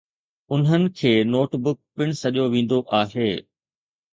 انهن کي notebook پڻ سڏيو ويندو آهي.